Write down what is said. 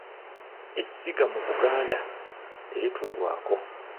Essiga mu Buganda terituulwako.